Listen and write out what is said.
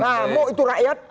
nah mau itu rakyat